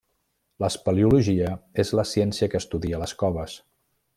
L'espeleologia és la ciència que estudia les coves.